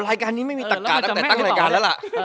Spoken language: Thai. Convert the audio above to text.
รายการนี้ไม่มีตักกะตั้งแต่ตั้งรายการแล้วล่ะ